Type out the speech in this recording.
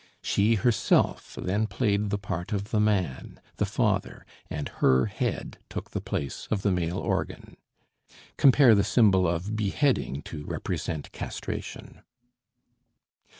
She herself then played the part of the man, the father, and her head took the place of the male organ. (Cf. the symbol of beheading to represent castration.)